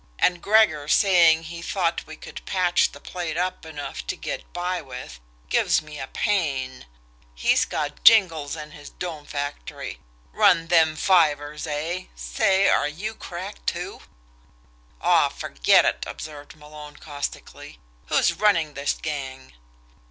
And Gregor saying he thought we could patch the plate up enough to get by with gives me a pain he's got jingles in his dome factory! Run them fivers eh say, are you cracked, too?" "Aw, forget it!" observed Malone caustically. "Who's running this gang?"